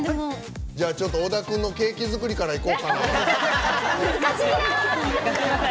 じゃあ、小田君のケーキ作りからいこうかな。